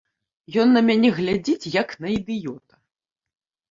Ён на мяне глядзіць, як на ідыёта.